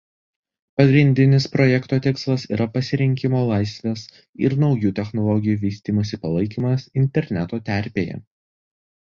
Pagrindinis projekto tikslas yra pasirinkimo laisvės ir naujų technologijų vystymosi palaikymas interneto terpėje.